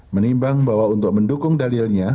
menimbang bahwa untuk mendukung dalilnya